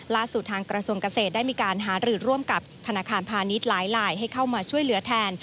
ล่าสุดทางกระทรวงเกษตรได้มีการหารือร่วมกับธนาคารพาณิชย์หลายให้เข้ามาช่วยเหลือแทน